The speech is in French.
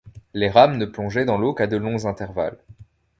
Les rames ne plongeaient dans l’eau qu’à de longs intervalles